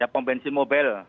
pomp bensin mobil